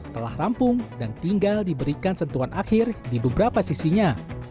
telah rampung dan tinggal diberikan sentuhan akhir di beberapa sisinya